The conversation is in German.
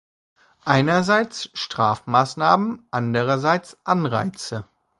Einerseits Strafmaßnahmen, andererseits Anreize.